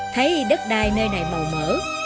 thấy đất đai nơi này màu mỡ